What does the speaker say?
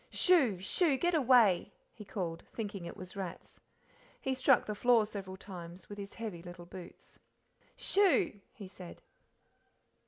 "Shoo shoo, get away!" he called, thinking it was rats. He struck the floor several times with his heavy little boots. "Shoo!" he said.